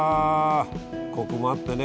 コクもあってね